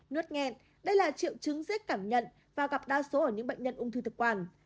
nốt nghẹn đây là triệu chứng dễ cảm nhận và gặp đa số ở những bệnh nhân ung thư thực quản